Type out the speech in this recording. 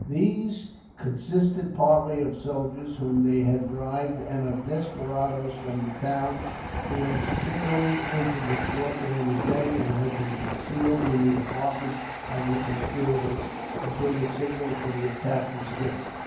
These consisted partly of soldiers whom they had bribed, and of desperadoes from the town, who had singly entered the fort during the day, and had been concealed in the apartments of the conspirators, until the signal for attack was given.